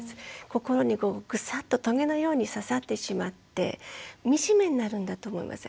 心にグサッととげのように刺さってしまって惨めになるんだと思います。